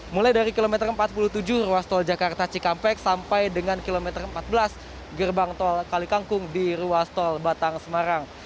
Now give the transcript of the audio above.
mulai dari kilometer empat puluh tujuh ruas tol jakarta cikampek sampai dengan kilometer empat belas gerbang tol kalikangkung di ruas tol batang semarang